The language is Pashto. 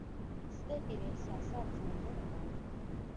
سترګې د احساسات سندره وایي